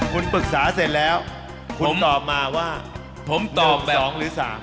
คุณปรึกษาเสร็จแล้วคุณตอบมาว่าผมตอบ๒หรือ๓